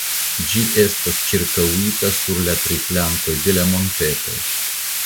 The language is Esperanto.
Ĝi estas ĉirkaŭita sur tri flankoj de la montetoj.